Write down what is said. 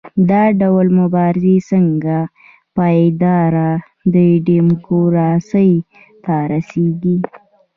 دا ډول مبارزې څنګه پایداره ډیموکراسۍ ته رسیږي؟